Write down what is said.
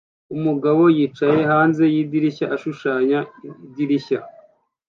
Umugabo yicaye hanze yidirishya ashushanya idirishya